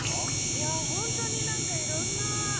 いやぁほんとになんかいろんな○